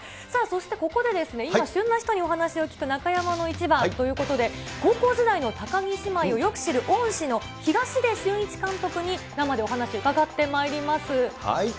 さあそしてここで旬な人にお話を聞く中山のイチバンということで、高校時代の高木姉妹をよく知る恩師の東出俊一監督に生でお話を伺ってまいります。